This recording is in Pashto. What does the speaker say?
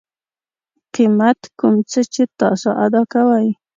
قیمت کوم څه چې تاسو ادا کوئ